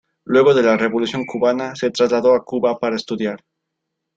Luego de la Revolución cubana se trasladó a Cuba para estudiar.